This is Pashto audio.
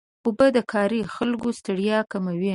اوبه د کاري خلکو ستړیا کموي.